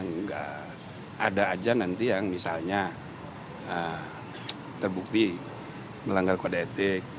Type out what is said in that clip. enggak ada aja nanti yang misalnya terbukti melanggar kode etik